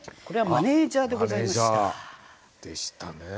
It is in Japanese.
これはマネージャーでございました。